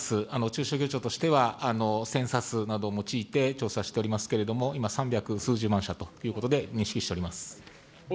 中小企業庁としてはセンサスを用いて調査しておりますけれども、今、三百数十万社ということで認識をしております。